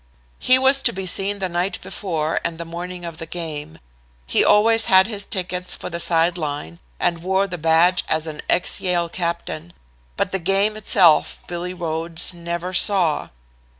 "He was to be seen the night before, and the morning of the game. He always had his tickets for the side line and wore the badge as an ex Yale captain. But the game itself Billy Rhodes never saw.